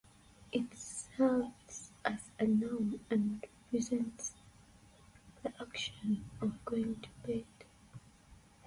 It serves as a noun and represents the action of going to bed.